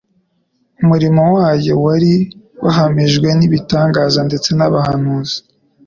umurimo wayo wari wahamijwe n'ibitangaza ndetse n'ubuhanuzi.